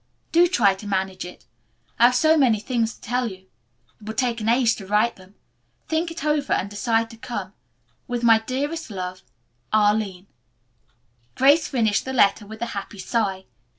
Do try to arrange it. I have so many things to tell you. It would take an age to write them. Think it over and decide to come. With my dearest love, Arline" Grace finished the letter with a happy sigh.